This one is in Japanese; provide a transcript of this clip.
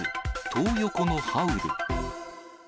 トー横のハウル。